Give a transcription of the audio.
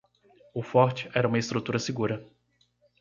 O forte era uma estrutura segura.